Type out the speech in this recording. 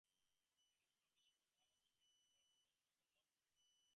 Using this process she was able to creatively manipulate the look of her prints.